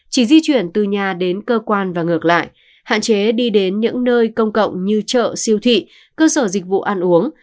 chỉ di chuyển từ nhà đến cơ quan và ngược lại hạn chế đi đến những nơi công cộng như chợ siêu thị cơ sở dịch vụ ăn uống